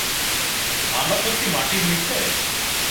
আমরা সত্যিই মাটির নিচে?